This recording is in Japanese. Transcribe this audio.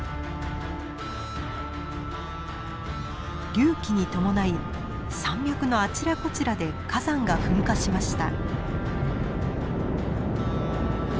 隆起に伴い山脈のあちらこちらで火山が噴火しました。